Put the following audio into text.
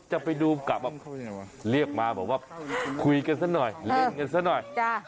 จะไปดูกลับมาเรียกมาบอกว่าคุยกันซะหน่อยเล่นกันซะหน่อย